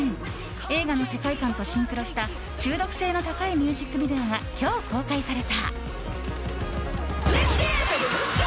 映画の世界観とシンクロした中毒性の高いミュージックビデオが今日、公開された。